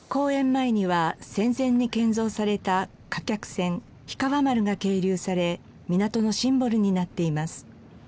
前には戦前に建造された貨客船氷川丸が係留され港のシンボルになっています。